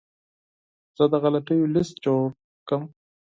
زه د غلطیو لیست جوړ کړم.